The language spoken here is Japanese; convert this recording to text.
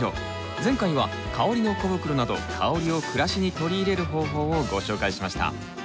前回は香りの小袋など香りを暮らしに取り入れる方法をご紹介しました。